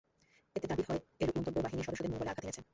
এতে দাবি করা হয়, এরূপ মন্তব্য বাহিনীর সদস্যদের মনোবলে আঘাত হেনেছে।